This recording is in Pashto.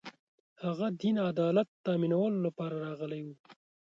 هغه دین عدالت تأمینولو لپاره راغلی و